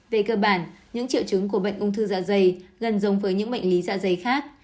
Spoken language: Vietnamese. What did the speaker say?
về cơ bản những triệu chứng của bệnh ung thư dạ dày gần giống với những bệnh lý dạ dày khác